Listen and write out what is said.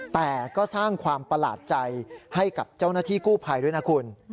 แต่ก็สร้างความประหลาดใจให้กับเจ้าหน้าที่กู้ภัยด้วยนะคุณ